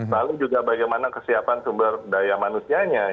lalu juga bagaimana kesiapan sumber daya manusianya